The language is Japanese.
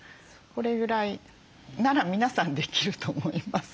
これぐらいなら皆さんできると思います。